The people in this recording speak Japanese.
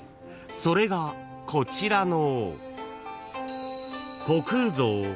［それがこちらの］